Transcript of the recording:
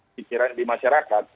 pikiran di masyarakat